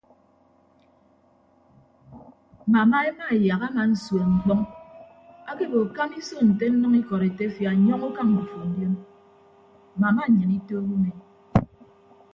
Mama emaeyak ama nsueñ mkpọñ akebo kama iso nte nnʌñ ikọd etefia nyọñ ukañ ndufo ndion mama nnyịn itoho umi.